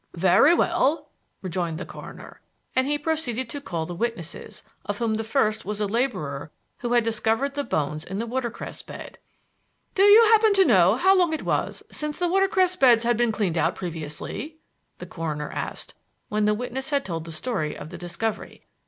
"Very well," rejoined the coroner, and he proceeded to call the witnesses, of whom the first was a laborer who had discovered the bones in the watercress bed. "Do you happen to know how long it was since the watercress beds had been cleaned out previously?" the coroner asked, when the witness had told the story of the discovery.